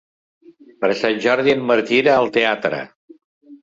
Per Sant Jordi en Martí irà al teatre.